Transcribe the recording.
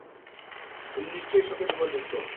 উনি নিশ্চয়ই শোকে বিপর্যস্ত।